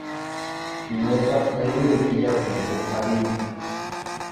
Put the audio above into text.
Kinwataqa ayriway killapim huqariyku.